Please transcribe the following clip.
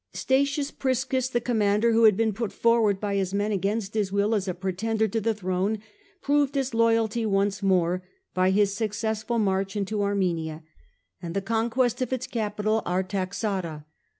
Statius Priscus, the commander who had been put forward by his men against his will as a pretender to the throne, proved his loyalty once more by his success ful march into Armenia, and the conquest of its capital Artaxata.